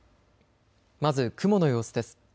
まず雲の様子です。